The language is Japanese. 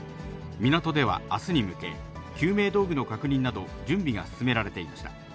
港ではあすに向け、救命道具の確認など、準備が進められていました。